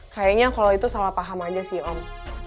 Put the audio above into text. kayaknya kalau itu salah paham aja sih om